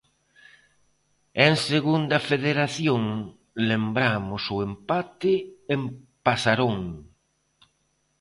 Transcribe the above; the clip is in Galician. E en Segunda Federación, lembramos o empate en Pasarón.